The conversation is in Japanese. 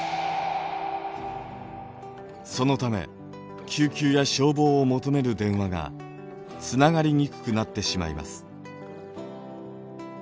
そのため救急や消防を求める電話がつながりにくくなってしまいます。